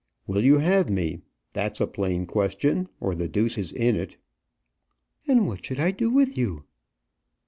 "Will you have me? That's a plain question, or the deuce is in it." "And what should I do with you?"